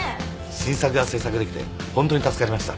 新作が制作できてホントに助かりました。